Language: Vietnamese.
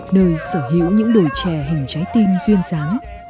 nơi sở hữu những đồi trè hình trái tim duyên dáng